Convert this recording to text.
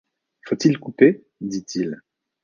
Faut-il couper ? dit-il.